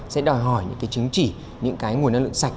sẽ đòi hỏi những chứng chỉ những nguồn năng lượng sạch